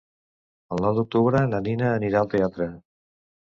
El nou d'octubre na Nina anirà al teatre.